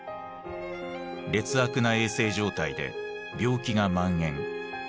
劣悪な衛生状態で病気が蔓延。